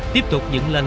tiếp tục dựng lên